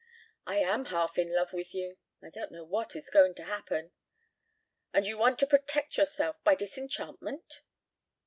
"I am half in love with you. I don't know what is going to happen " "And you want to protect yourself by disenchantment?"